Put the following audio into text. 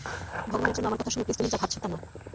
ভগবানের জন্য, আমার কথা শোনো প্লীজ, তুমি যা ভাবছো তা না।